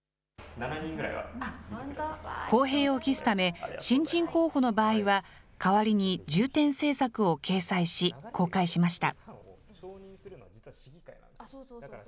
公平を期すため新人候補の場合は、代わりに重点政策を掲載し、公開しました。